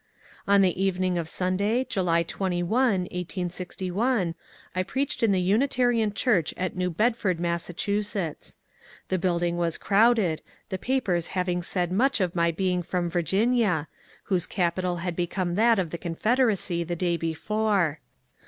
On the evening of Sunday, July 21, 1861, 1 preached in the Unitarian church at New Bedford, Mass. The build ing was crowded, the papers having said much of my being from Virginia, whose capital had become that of the Confeder acy the day before.